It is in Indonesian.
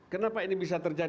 kenapa ini bisa terjadi